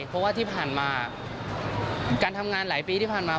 เพราะว่าที่ผ่านมาการทำงานหลายปีที่ผ่านมา